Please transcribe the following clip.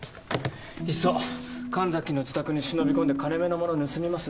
いっそ神崎の自宅に忍び込んで金めのもの盗みます？